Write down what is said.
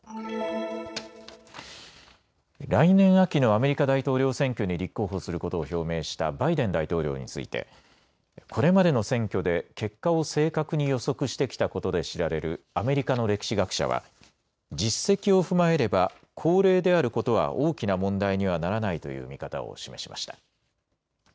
来年秋のアメリカ大統領選挙に立候補することを表明したバイデン大統領についてこれまでの選挙で結果を正確に予測してきたことで知られるアメリカの歴史学者は実績を踏まえれば高齢であることは大きな問題にはならないという見方を示しました。